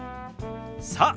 さあ